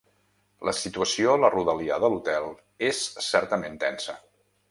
La situació a la rodalia de l’hotel és certament tensa.